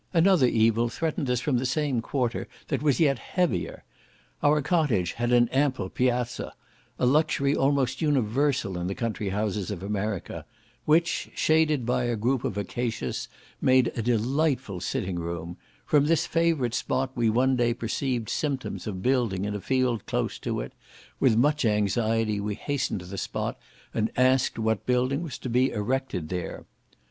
Another evil threatened us from the same quarter, that was yet heavier. Our cottage had an ample piazza, (a luxury almost universal in the country houses of America), which, shaded by a group of acacias, made a delightful sitting room; from this favourite spot we one day perceived symptoms of building in a field close to it; with much anxiety we hastened to the spot, and asked what building was to be erected there.